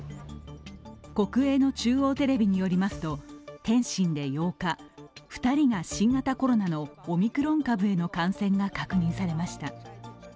国営の中央テレビによりますと天津で８日２人が新型コロナのオミクロン株への感染が確認されました。